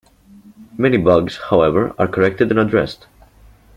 Many bugs, however, are corrected and addressed.